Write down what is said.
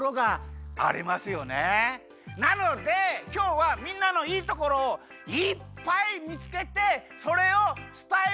なのできょうはみんなのいいところをいっぱい見つけてそれを伝えるゲームをします！